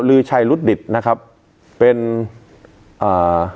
ฤีชายรุดดิตฯนะครับเป็นเอ่อ